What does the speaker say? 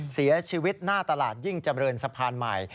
เสียชีวิตหน้าตลาดยิ่งเจริญสะพานใหม่